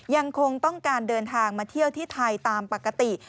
ยังคงต้องการเดินทางมาเที่ยวที่ไทยตามปกติ